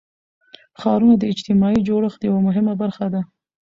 ښارونه د اجتماعي جوړښت یوه مهمه برخه ده.